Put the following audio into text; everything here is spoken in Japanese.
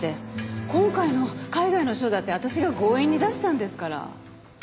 今回の海外の賞だって私が強引に出したんですから。